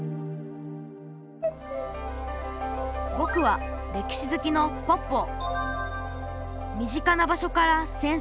ぼくは歴史好きのポッポー。